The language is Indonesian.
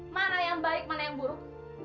mana yang baik mana yang buruk